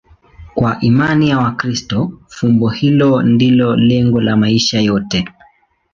Kwa imani ya Wakristo, fumbo hilo ndilo lengo la maisha yote.